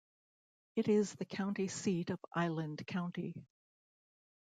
It is the county seat of Island County.